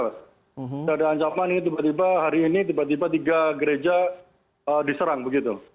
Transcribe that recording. tidak ada ancaman ini tiba tiba hari ini tiba tiba tiga gereja diserang begitu